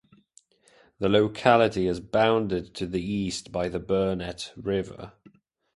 The locality is bounded to the east by the Burnett River.